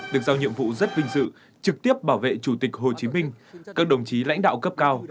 được giao nhiệm vụ rất vinh dự trực tiếp bảo vệ chủ tịch hồ chí minh các đồng chí lãnh đạo cấp cao